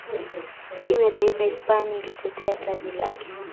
timu ya taifa ya hispania ilitetea taji lake